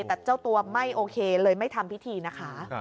แต่เจ้าตัวไม่โอเคเลยไม่ทำพิธีนะคะ